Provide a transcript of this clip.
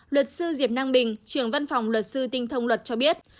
luật sư diệp năng bình trưởng văn phòng luật sư tinh thông luật cho biết